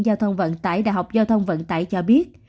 giao thông vận tải đại học giao thông vận tải cho biết